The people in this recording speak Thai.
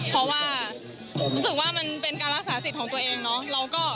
เพราะว่ารู้สึกว่ามันเป็นการรักษาสิทธิ์ของตัวเองเนาะ